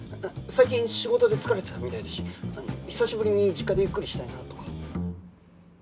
最近仕事で疲れてたみたいだし久しぶりに実家でゆっくりしたいなとか？